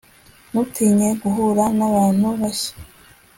ntutinye guhura nabantu bashya